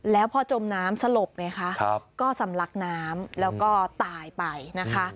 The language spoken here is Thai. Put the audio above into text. แล้วพอจมน้ำสลบไงคะก็สำลักน้ำแล้วก็ตายไปนะคะ